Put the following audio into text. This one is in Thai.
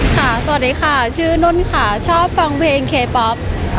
สวัสดีค่ะชื่อนุ่นค่ะชอบฟังเพลงเคป๊อป